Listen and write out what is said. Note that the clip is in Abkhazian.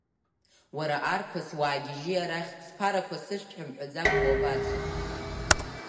Уара арԥыс, уаагьежьи арахь, сԥарақәа сышәҭ ҳәа мҳәаӡакәа уабацои?